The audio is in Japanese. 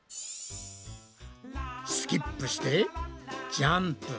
スキップしてジャンプ！